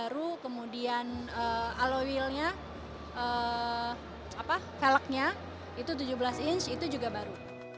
baru kemudian alloy wheel nya velgnya itu tujuh belas inch itu juga baru